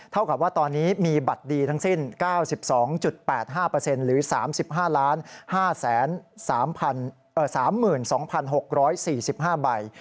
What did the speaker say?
เท่ากับว่าตอนนี้มีบัตรดีทั้งสิ้น๙๒๘๕หรือ๓๕๕๓๒๖๔๕ใบ